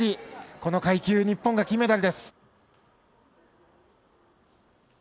この階級、日本が金メダルです。